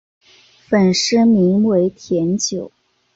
粉丝名为甜酒。